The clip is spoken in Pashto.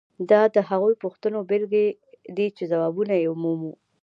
دا د هغو پوښتنو بیلګې دي چې ځوابونه یې مومو.